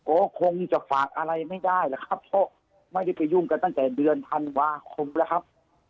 ก็คงจะฝากอะไรไม่ได้แล้วครับเพราะไม่ได้ไปยุ่งกันตั้งแต่เดือนธันวาคมแล้วครับ